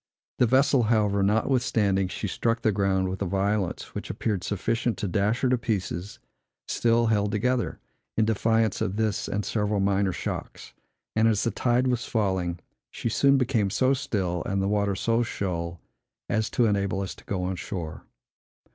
The vessel, however, notwithstanding she struck the ground with a violence which appeared sufficient to dash her in pieces, still held together, in defiance of this and several minor shocks; and, as the tide was falling, she soon became so still, and the water so shoal, as to enable us to go on shore.